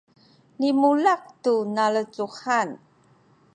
limulak tu nalecuhan